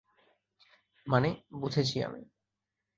মানে, বুঝেছি আমি।